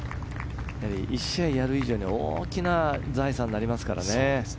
１試合やる以上に大きな財産になりますからね。